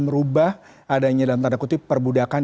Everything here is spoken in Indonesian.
merubah adanya dalam tanda kutip perbudakan